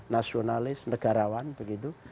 nasionalis negarawan begitu